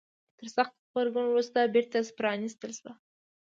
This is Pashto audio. تر سخت غبرګون وروسته بیرته پرانيستل شوه.